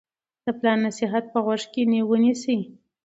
د پلار نصیحت په غوږ کې ونیسئ.